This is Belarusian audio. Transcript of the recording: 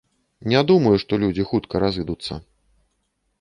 Не думаю, што людзі хутка разыдуцца.